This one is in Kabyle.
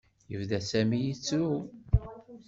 Yebda Sami yettru.